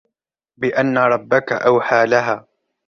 بأن ربك أوحى لها